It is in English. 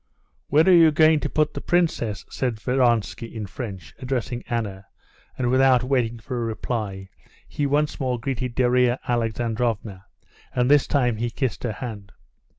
"Where are you going to put the princess?" said Vronsky in French, addressing Anna, and without waiting for a reply, he once more greeted Darya Alexandrovna, and this time he kissed her hand.